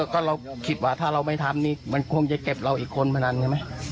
ก็เราคิดว่าถ้าเราไม่ทำมันโคบจะเก็บเราอีกคนมานานไง